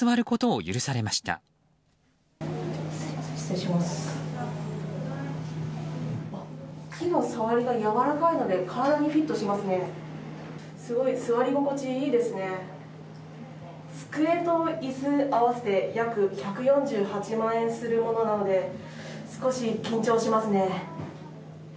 机と椅子合わせて約１４８万円するものなので少し緊張しますね。